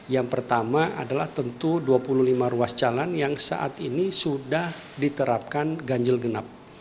yang pertama adalah tentu dua puluh lima ruas jalan yang saat ini sudah diterapkan ganjil genap